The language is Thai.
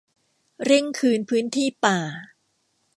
เร่งคืนพื้นที่ป่า